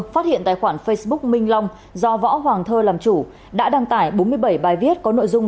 phát hiện tài khoản facebook minh long do võ hoàng thơ làm chủ đã đăng tải bốn mươi bảy bài viết có nội dung